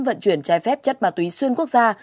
vận chuyển trái phép chất ma túy xuyên quốc gia